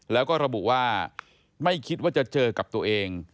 แล้วก็ระบุว่าไม่คิดว่าจะเจอกับตัวเอง